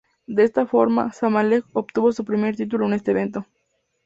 De esta forma, Zamalek obtuvo su primer título en este evento.